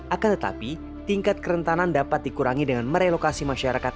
akan tetapi tingkat kerentanan dapat dikurangi dengan merelokasi masyarakat